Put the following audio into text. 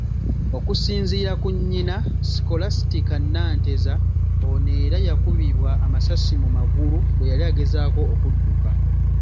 Okusinziira ku nnyina, Scholastica Nanteza, ono era yakubibwa amasasi mu magulu bweyali agezaako okudduka.